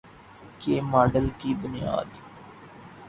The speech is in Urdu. کے ماڈل کی بنیاد